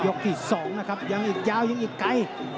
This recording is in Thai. ยกอีกสองนะครับยังอีกยาวยังอีกไกล